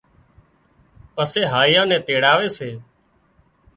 پسي هاۯيائان نين تيڙاوي سي